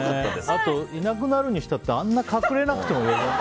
あといなくなるにしたってあんな隠れなくてもよくない？